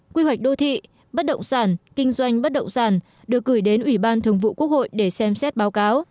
quy hoạch đô thị bất động sản kinh doanh bất động sản được gửi đến ủy ban thường vụ quốc hội để xem xét báo cáo